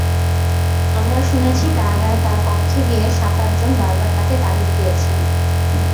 আমরা শুনেছি কারাগারে তাঁর কক্ষে গিয়ে সাতআটজন বারবার তাঁকে তাগিদ দিয়েছেন।